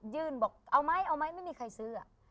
ยื่นบอกเอาไหมไม่มีใครซื้อ